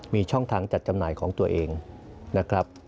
มีช่องทางจัดจำหน่ายของตัวเองนะครับ